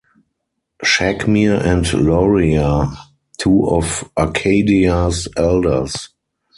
Shagmir and Loria: Two of Arkadia's elders.